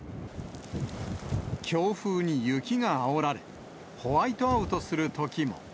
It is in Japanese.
強風に雪があおられ、ホワイトアウトするときも。